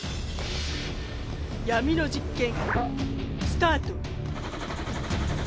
ヤミの実験スタート！